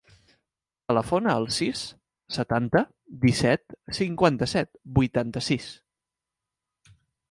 Telefona al sis, setanta, disset, cinquanta-set, vuitanta-sis.